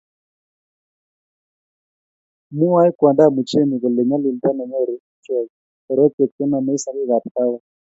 mwoei kwondab Muchemi kole nyalilda nenyoru ichek ko korotwek chenomei sokekab kaawek